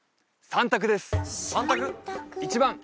３択です